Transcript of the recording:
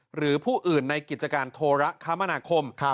หรือผู้อื่นในกิจการโทรคมนาคม